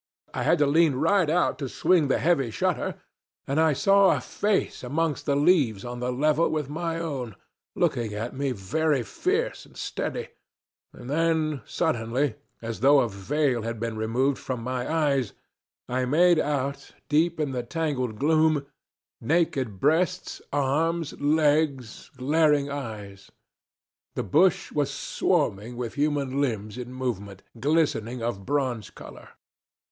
I had to lean right out to swing the heavy shutter, and I saw a face amongst the leaves on the level with my own, looking at me very fierce and steady; and then suddenly, as though a veil had been removed from my eyes, I made out, deep in the tangled gloom, naked breasts, arms, legs, glaring eyes, the bush was swarming with human limbs in movement, glistening, of bronze color.